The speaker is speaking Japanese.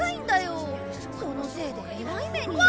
そのせいで偉い目に